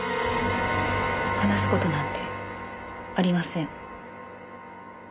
話す事なんてありません。